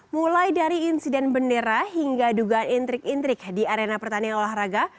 mulai dari insiden bendera hingga dugaan intrik intrik di arena pertandingan olahraga